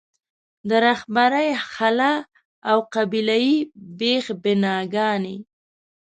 د رهبرۍ خلا او قبیله یي بېخ بناګانې.